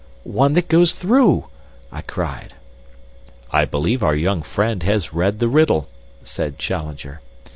"One that goes through," I cried. "I believe our young friend has read the riddle," said Challenger.